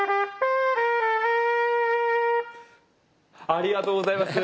ありがとうございます。